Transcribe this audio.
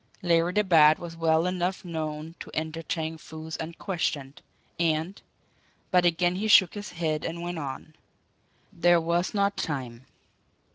Larry the Bat was well enough known to enter Chang Foo's unquestioned, and but again he shook his head and went on. There was not time.